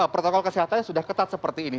protokol kesehatannya sudah ketat seperti ini